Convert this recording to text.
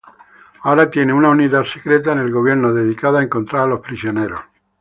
Ahora tiene una unidad secreta en el gobierno dedicada a encontrar a los prisioneros.